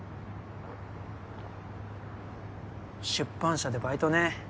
出版社でバイトね。